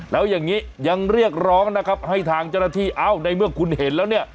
แล้วอย่างนี้ยังเรียกร้องนะครับให้ทางเจ้าหน้าที่เอ้าในเมื่อคุณเห็นแล้วเนี่ย